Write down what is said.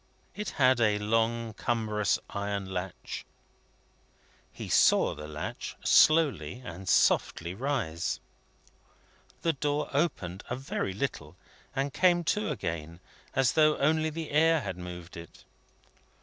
It had a long cumbrous iron latch. He saw the latch slowly and softly rise. The door opened a very little, and came to again, as though only the air had moved it.